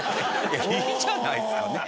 いいじゃないですかねぇ。